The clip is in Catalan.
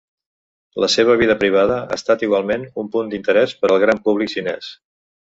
La seva vida privada ha estat igualment un punt d'interès per al gran públic xinès.